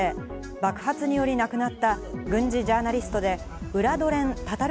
爆発により亡くなった、軍事ジャーナリストでウラドレン・タタル